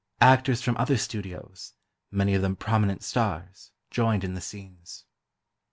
Actors from other studios—many of them prominent stars—joined in the scenes.